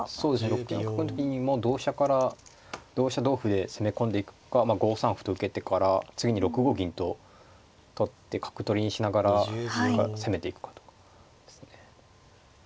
６四角の時にもう同飛車から同飛車同歩で攻め込んでいくか５三歩と受けてから次に６五銀と取って角取りにしながら攻めていくかとかですね。